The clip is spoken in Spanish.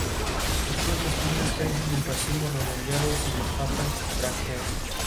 Su tarea como investigador se centró en la obra de Elias Canetti.